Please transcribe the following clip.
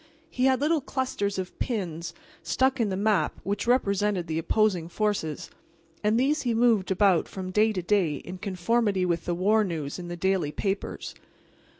He had little clusters of pins stuck in the map which represented the opposing forces, and these he moved about from day to day in conformity with the war news in the daily papers.